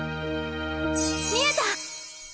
見えた！